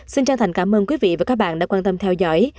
xin chân thành cảm ơn quý vị và các bạn đã quan tâm theo dõi